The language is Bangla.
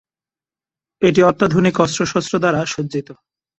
এটি অত্যাধুনিক অস্ত্রশস্ত্র দ্বারা সজ্জিত।